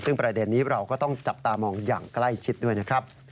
ซึ่งประเด็นนี้เราก็ต้องจับตามองอย่างใกล้ชิดด้วยนะครับ